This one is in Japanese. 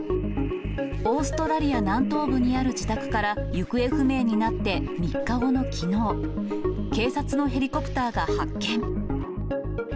オーストラリア南東部にある自宅から行方不明になって３日後のきのう、警察のヘリコプターが発見。